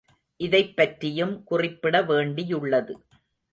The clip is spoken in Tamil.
இதைப் பற்றியும் குறிப்பிடவேண்டியுள்ளது.